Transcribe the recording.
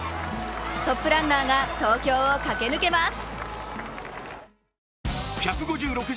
トップランナーが東京を駆け抜けます。